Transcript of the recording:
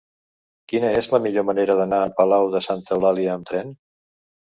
Quina és la millor manera d'anar a Palau de Santa Eulàlia amb tren?